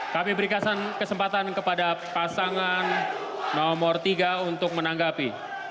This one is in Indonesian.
kami berikan kesempatan kepada pasangan nomor tiga untuk menanggapi